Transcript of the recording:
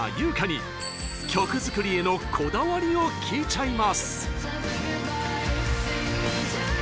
薫に曲作りへのこだわりを聞いちゃいます！